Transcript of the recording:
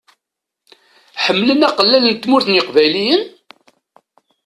Ḥemmlen aqellal n Tmurt n yeqbayliyen?